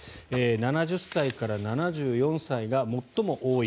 ７０歳から７４歳が最も多い。